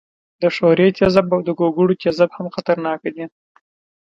د ښورې تیزاب او د ګوګړو تیزاب هم خطرناک دي.